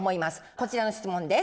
こちらの質問です。